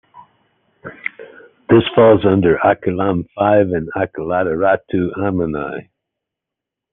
This falls under Akilam five in Akilattirattu Ammanai.